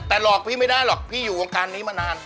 แต่หลอกพี่ไม่ได้หรอกพี่อยู่วงการนี้มานาน